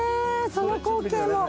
その光景も。